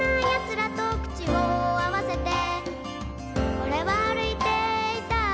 「俺は歩いていたい」